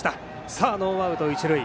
さあ、ノーアウト、一塁。